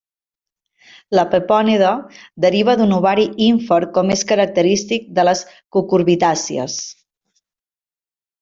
La pepònide deriva d'un ovari ínfer com és característic de les cucurbitàcies.